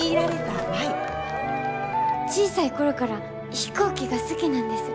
小さい頃から飛行機が好きなんです。